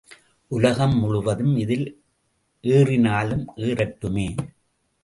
உலகம் முழுவதும் இதில் ஏறினாலும் ஏறட்டுமே!